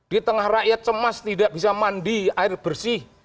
di tengah rakyat cemas tidak bisa mandi air bersih